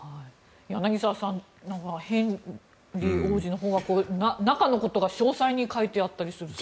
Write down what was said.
柳澤さんヘンリー王子の本は中のことが詳細に書いてあったりするそうです。